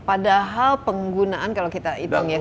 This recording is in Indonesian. padahal penggunaan kalau kita hitung ya